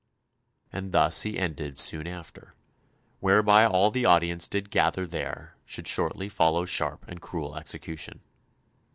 "And thus he ended soon after, whereby all the audience did gather there should shortly follow sharp and cruel execution."